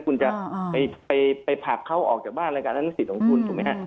คุณจะไปผลักเขาออกจากบ้านอะไรกันนั่นสิทธิ์ของคุณถูกไหมฮะ